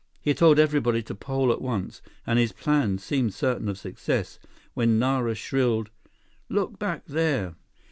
He told everybody to pole at once, and his plan seemed certain of success, when Nara shrilled: "Look back there!"